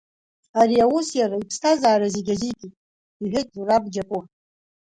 Ари аус иара иԥсҭазаара зегьы азикит, — иҳәеит Зураб Џьапуа.